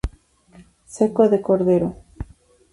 Seco de cordero.